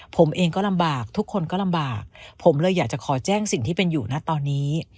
ผมเองก็ลำบากทุกคนก็ลำบากผมเลยอยากจะขอแจ้งสิ่งที่เป็นอยู่นะตอนนี้